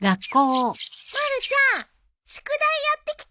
まるちゃん宿題やってきた？